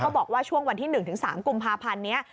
บอกว่าช่วงวันที่๑๓กุมภาพันธ์นี้